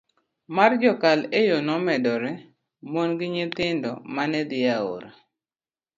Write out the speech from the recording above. mar jokal e yo nomedore, mon gi nyithindo mane dhi e aora